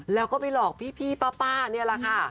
แล้วก็ไปหลอกพี่ป้านี่แหละค่ะ